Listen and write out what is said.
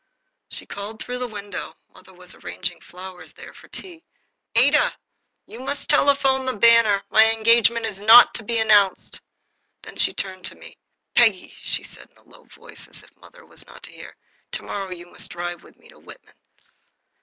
She called through the window (mother was arranging flowers there for tea): "Ada, you must telephone the Banner. My engagement is not to be announced." Then she turned to me. "Peggy'" said she, in a low voice, as if mother was not to hear, "to morrow you must drive with me to Whitman."